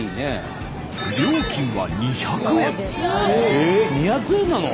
えっ２００円なの？